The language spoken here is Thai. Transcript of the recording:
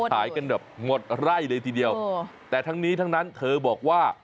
ขายกันแบบหมดไร่เลยทีเดียวแต่ทั้งนี้ทั้งนั้นเธอบอกว่า